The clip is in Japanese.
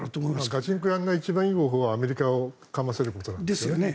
ガチンコをやらない一番いい方法はアメリカをかませることなんですよね。